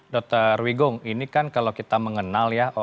dr wigong ini kan kalau kita mengenal ya